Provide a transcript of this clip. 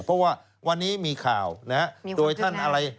เพราะว่าวันนี้มีข่าวนะฮะโดยท่านอะไร